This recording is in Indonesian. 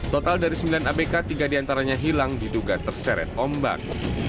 total dari sembilan abk tiga diantaranya hilang diduga terseret ombak